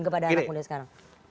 kepada anak muda sekarang